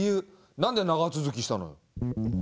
何で長続きしたのよ？